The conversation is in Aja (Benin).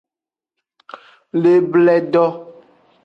Lebledo.